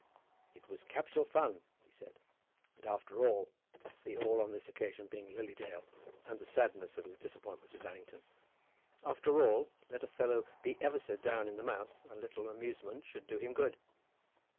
"It was capital fun," he said; "and after all," the "all" on this occasion being Lily Dale, and the sadness of his disappointment at Allington, "after all, let a fellow be ever so down in the mouth, a little amusement should do him good."